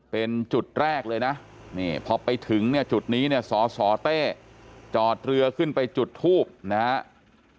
เป็นจุดแรกเลยนะนี่พอไปถึงเนี่ยจุดนี้เนี่ยสสเต้จอดเรือขึ้นไปจุดทูบนะครับ